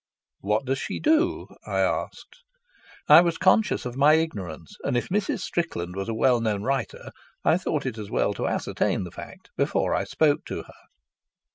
"What does she do?" I asked. I was conscious of my ignorance, and if Mrs. Strickland was a well known writer I thought it as well to ascertain the fact before I spoke to her.